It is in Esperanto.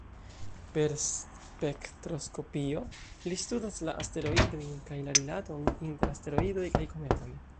Per spektroskopio, li studas la asteroidojn, kaj la rilaton inter asteroidoj kaj kometoj.